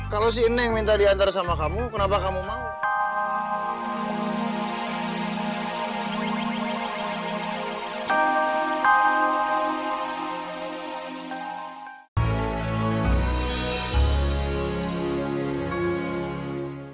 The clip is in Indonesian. kalau si ini yang minta diantar sama kamu kenapa kamu mau